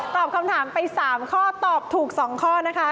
ตอบคำถามไป๓ข้อตอบถูก๒ข้อนะคะ